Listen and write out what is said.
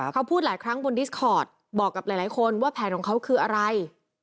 เขาพูดหลายครั้งบนดิสคอร์ตบอกกับหลายคนว่าแผนของเขาคืออะไร